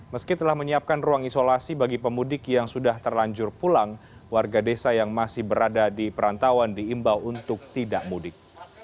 meski telah menyiapkan ruang isolasi bagi pemudik yang sudah terlanjur pulang warga desa yang masih berada di perantauan diimbau untuk tidak mudik